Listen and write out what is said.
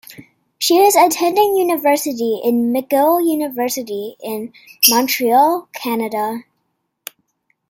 She is attending university in McGill University in Montreal, Canada.